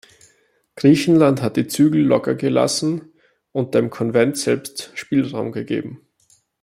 Griechenland hat die Zügel locker gelassen und dem Konvent selbst Spielraum gegeben.